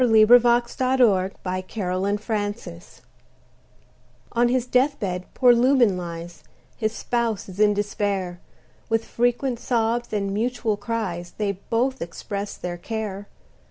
Matthew Prior A Reasonable Affliction ON his death bed poor Lubin lies: His spouse is in despair: With frequent sobs, and mutual cries, They both express their care.